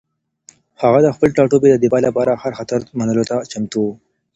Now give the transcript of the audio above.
هغه د خپل ټاټوبي د دفاع لپاره هر خطر منلو ته چمتو و.